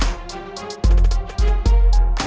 dia sekarang lagi ngerasain apa